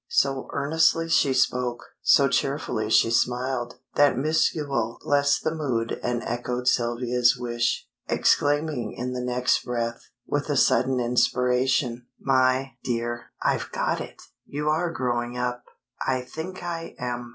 So earnestly she spoke, so cheerfully she smiled, that Miss Yule blessed the mood and echoed Sylvia's wish, exclaiming in the next breath, with a sudden inspiration "My, dear, I've got it! You are growing up." "I think I am.